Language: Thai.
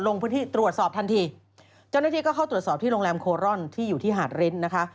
ลงพื้นที่ตรวจสอบทันทีเจ้าหน้าที่ก็เข้าตรวจสอบที่โรงแรมโคร่อนที่อยู่ที่หาดริ้นนะคะ